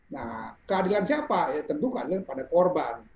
nah keadilan siapa ya tentu keadilan pada korban